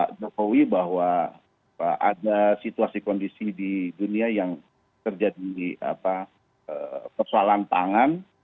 pak jokowi bahwa ada situasi kondisi di dunia yang terjadi persoalan pangan